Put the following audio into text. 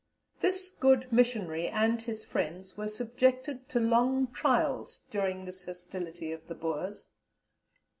"This good missionary and his friends were subjected to long trials during this hostility of the Boers.